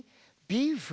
ビーフ？